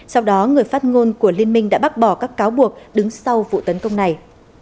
sau đó người phát ngôn của liên minh đã bác bỏ các cáo buộc đứng sau vụ tấn công này